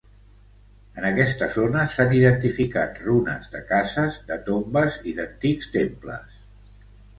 En aquesta zona s'han identificat runes de cases, de tombes i d'antics temples.